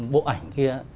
bộ ảnh kia